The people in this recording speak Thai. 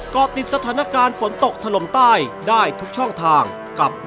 เกาะติดสถานการณ์ฝนตกถล่มใต้ได้ทุกช่องทางกับ